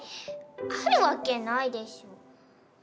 あるわけないでしょ。